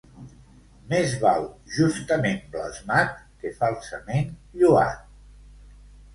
Més val justament blasmat, que falsament lloat.